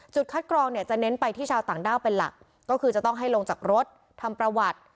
คัดกรองเนี่ยจะเน้นไปที่ชาวต่างด้าวเป็นหลักก็คือจะต้องให้ลงจากรถทำประวัติ